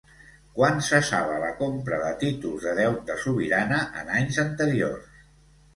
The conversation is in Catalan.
Quan cessava la compra de títols de deute sobirana en anys anteriors?